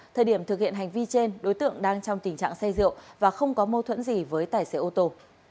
thời điểm thực hiện hành vi trên đối tượng đang trong tình trạng say rượu và không có mâu thuẫn gì với tài xế ô tô